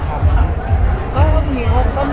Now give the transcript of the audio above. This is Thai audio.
ก็เป็นในแบบที่ผมพูดแล้ว